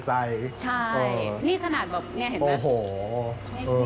ใช่นี่ขนาดเว้ยเห็นไหม